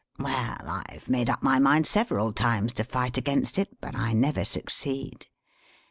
'Well, I've made up my mind several times to fight against it, but I never succeed.